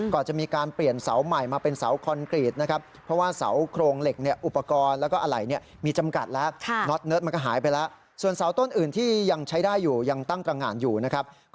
ก่อนมีการเปลี่ยนเสาใหม่มาเป็นเสาคอนกรีตนะครับ